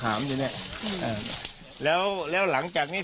เขาก็ปีนเข้าไปที่หน้าต่างแล้วก็ไปหลบซ่อนตัวอยู่ในนั้น